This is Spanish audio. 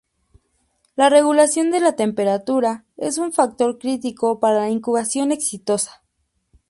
La regulación de la temperatura es el factor critico para una incubación exitosa.